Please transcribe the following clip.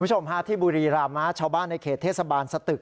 คุณผู้ชมฮะที่บุรีราม่าชาวบ้านในเขตเทศบาลสตึก